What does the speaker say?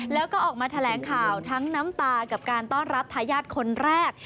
แล้วก็ออกมาแถลงข่าวทั้งน้ำตากับการต้อนรับทายาทคนแรก